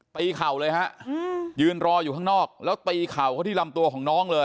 เข่าเลยฮะยืนรออยู่ข้างนอกแล้วตีเข่าเขาที่ลำตัวของน้องเลย